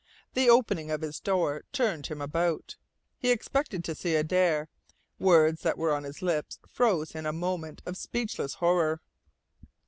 The opening of his door turned him about. He expected to see Adare. Words that were on his lips froze in a moment of speechless horror.